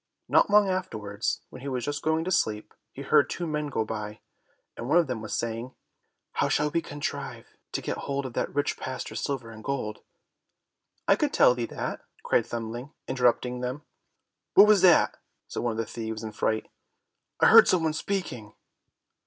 Not long afterwards, when he was just going to sleep, he heard two men go by, and one of them was saying, "How shall we contrive to get hold of the rich pastor's silver and gold?" "I could tell thee that," cried Thumbling, interrupting them. "What was that?" said one of the thieves in fright, "I heard some one speaking."